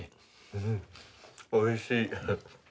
うんおいしい。